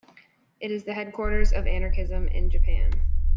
It is the headquarters of Anarchism in Japan.